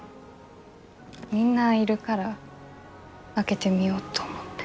みんないるから開けてみようと思って。